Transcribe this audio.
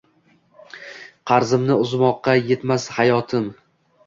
Qarzimni uzmoqqa etmas hayotim